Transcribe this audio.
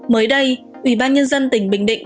mới đây ủy ban nhân dân tỉnh bình định